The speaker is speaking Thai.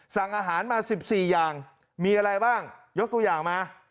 สั่งอาหารมา๑๔อย่างมีอะไรบ้างยกตัวอย่างมา